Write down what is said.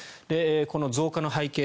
この増加の背景